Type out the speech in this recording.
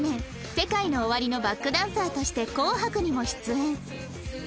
ＳＥＫＡＩＮＯＯＷＡＲＩ のバックダンサーとして『紅白』にも出演